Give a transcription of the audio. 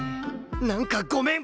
なんかごめん！